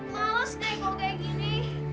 males deh mau kayak gini